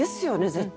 絶対。